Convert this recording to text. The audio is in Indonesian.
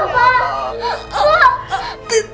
kamu kenapa pak